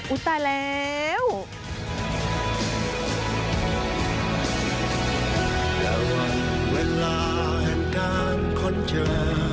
อุ๊ยตายแล้ว